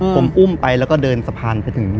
ผมอุ้มไปแล้วก็เดินสะพานไปถึง